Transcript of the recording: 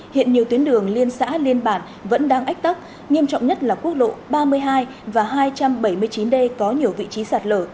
hiện nhiều tuyến đường liên xã liên bản vẫn đang ách tắc nghiêm trọng nhất là quốc lộ ba mươi hai và hai trăm bảy mươi chín d có nhiều vị trí sạt lở